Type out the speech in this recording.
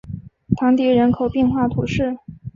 唐迪人口变化图示